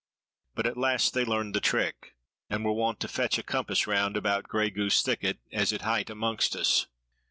But at last they learned the trick, and were wont to fetch a compass round about Grey Goose Thicket as it hight amongst us."